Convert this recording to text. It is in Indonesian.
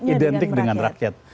identiknya dengan merakyat